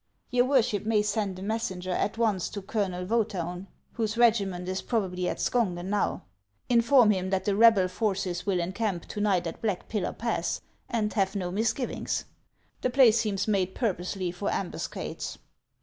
Your worship may send a messenger at once to Colonel Vcethalin, whose regiment is probably at Skongen now ; inform him that the rebel forces will encamp to night in Black Pillar Pass, and have no misgivings. The place seems made purposely for ambuscades."